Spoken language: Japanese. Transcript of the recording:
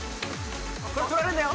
これ取られんなよ。